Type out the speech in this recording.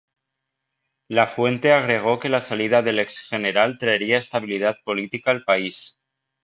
La fuente agregó que la salida del ex general traería estabilidad política al país.